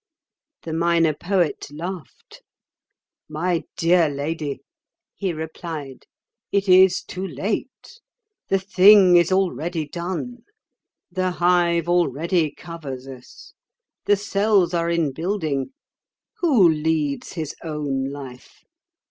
The Minor Poet laughed. "My dear lady," he replied, "it is too late. The thing is already done. The hive already covers us, the cells are in building. Who leads his own life?